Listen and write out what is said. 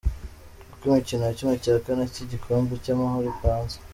Uko imikino ya ¼ cy’igikombe cy’Amahoro ipanze:.